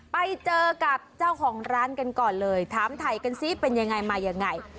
ไปเจอกับเจ้าของร้านกันก่อนเลยถามถ่ายกันซิเป็นยังไงมายังไง